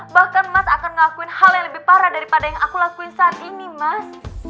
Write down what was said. bahkan mas akan ngakuin hal yang lebih parah daripada yang aku lakuin saat ini mas